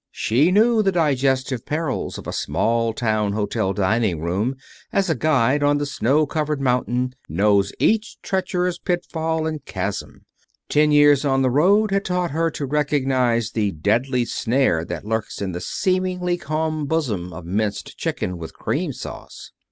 She knew the digestive perils of a small town hotel dining room as a guide on the snow covered mountain knows each treacherous pitfall and chasm. Ten years on the road had taught her to recognize the deadly snare that lurks in the seemingly calm bosom of minced chicken with cream sauce.